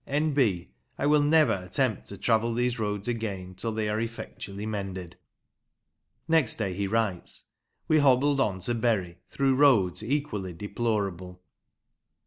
N.B. I will never attempt to travel these roads again till they are effectually mended !" Next day he writes :" We hobbled on to Bury through roads equally deplorable."